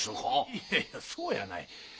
いやいやそうやない。